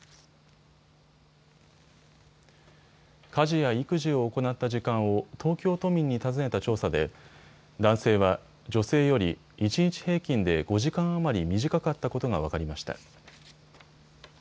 家事や育児を行った時間を東京都民に尋ねた調査で男性は女性より一日平均で５時間余り短かったことが分かりました。